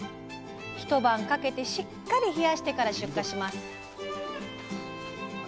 一晩かけてしっかり冷やしてから出荷します